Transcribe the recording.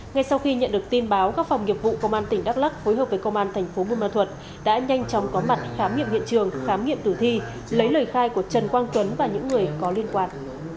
ngay sau khi nhận được tin báo các phòng nghiệp vụ công an tỉnh đắk lắc phối hợp với công an thành phố buôn ma thuật đã nhanh chóng có mặt khám nghiệm hiện trường khám nghiệm tử thi lấy lời khai của trần quang tuấn và những người có liên quan